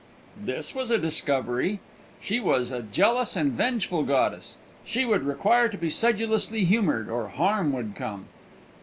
This was a discovery. She was a jealous and vengeful goddess; she would require to be sedulously humoured, or harm would come.